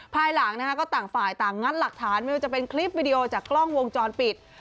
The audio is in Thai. ภายหลังนะคะก็ต่างฝ่ายต่างงัดหลักฐานไม่ว่าจะเป็นคลิปวิดีโอจากกล้องวงจรปิด